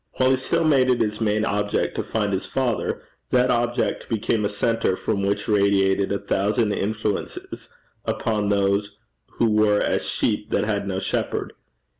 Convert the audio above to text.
While he still made it his main object to find his father, that object became a centre from which radiated a thousand influences upon those who were as sheep that had no shepherd.